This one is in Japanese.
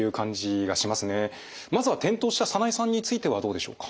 まずは転倒したサナエさんについてはどうでしょうか？